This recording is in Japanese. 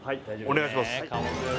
お願いします